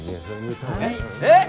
えっ！？